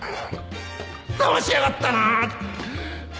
だましやがったな！